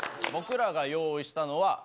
僕らが用意したのは。